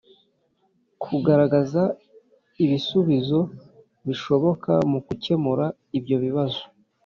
kugaragaza ibisubizo bishoboka mu gukemura ibyo bibazo